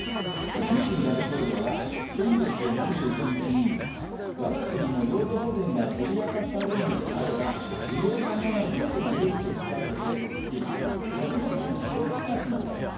プーチン大統領は、先月２１日に、わが国の領土保全が脅かされるのであれば、利用可能なすべての兵器を使うと警告し、核兵器の使用を示唆しました。